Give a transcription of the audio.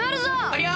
ありゃ？